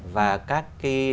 và các cái